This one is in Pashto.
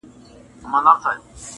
چی هر لوري ته یې مخ سي موږ منلی!